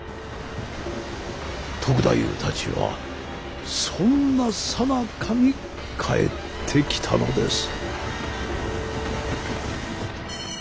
篤太夫たちはそんなさなかに帰ってきたのです。